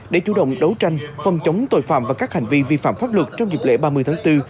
để chủ động đấu tranh phòng chống tội phạm và các hành vi vi phạm pháp luật trong dịp lễ ba mươi tháng bốn